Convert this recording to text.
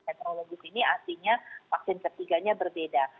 heterologis ini artinya vaksin ketiganya berbeda